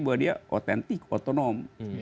bahwa dia otentik otonom